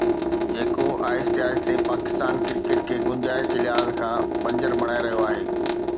جيڪو آهستي آهستي پاڪستان ڪرڪيٽ کي گنجائش جي لحاظ کان بنجر بڻائي رهيو آهي.